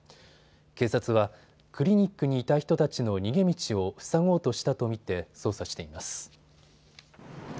警察はクリニックにいた人たちの逃げ道を塞ごうとしたと見て捜査しています。